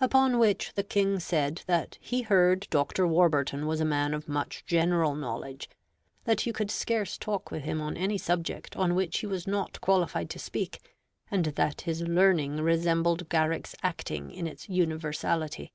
Upon which the King said that he heard Dr. Warburton was a man of much general knowledge; that you could scarce talk with him on any subject on which he was not qualified to speak: and that his learning resembled Garrick's acting in its universality.